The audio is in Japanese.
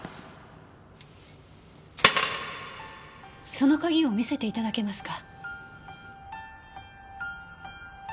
その鍵を見せていただけますか？